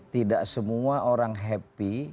tidak semua orang happy